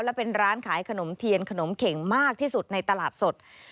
และเป็นร้านขายขนมเทียนขนมเข็งมากที่สุดในตลาดสด